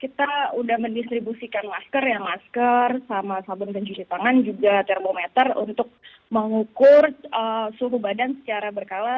kita sudah mendistribusikan masker ya masker sama sabun pencuci tangan juga termometer untuk mengukur suhu badan secara berkala